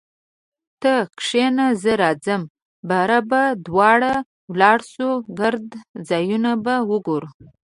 ته کښینه زه راځم باره به دواړه ولاړسو ګرده ځایونه به وګورو